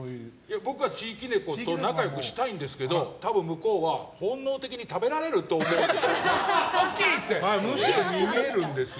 僕は地域猫と仲良くしたいんですけど多分、向こうは本能的に食べられるって思ってむしろ逃げるんですよ。